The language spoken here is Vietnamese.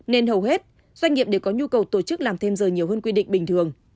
nên hầu hết doanh nghiệp đều có nhu cầu tổ chức làm thêm giờ nhiều hơn quy định bình thường